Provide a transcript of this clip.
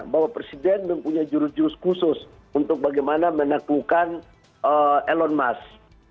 bahwa presiden mempunyai jurus jurus khusus untuk bagaimana menaklukkan elon musk